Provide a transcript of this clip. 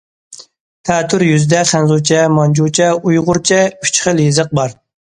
تەتۈر يۈزىدە خەنزۇچە، مانجۇچە، ئۇيغۇرچە ئۈچ خىل يېزىق بار.